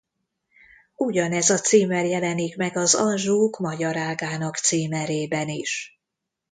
Ugyanez a címer jelenik meg az Anjouk magyar ágának címerében is.